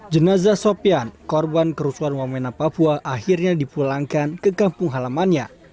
jenazah sopian korban kerusuhan wamena papua akhirnya dipulangkan ke kampung halamannya